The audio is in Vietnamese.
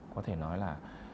có thể nói là